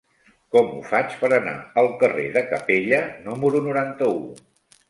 Com ho faig per anar al carrer de Capella número noranta-u?